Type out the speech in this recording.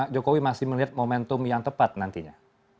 jokowi masih melihat momentum yang tepat nantinya